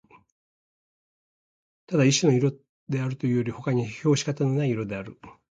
ただ一種の色であるというよりほかに評し方のない色である